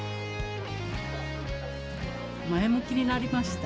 前向きになりました。